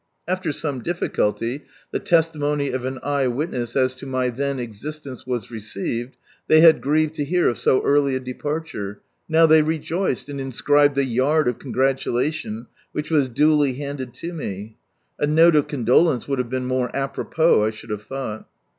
After some difficulty, the testimony of an eye wit ness as to my then existence was received, they had grieved to bear of so early a departure, now they rejoiced, and inscribed a yard of congratulation, which was duly handed to me. A note of condolence would have been more apropos, I should have thought.